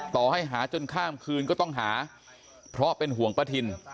ต่อให้หาจนข้ามคืนก็ต้องหาเพราะเป็นห่วงป้าทิน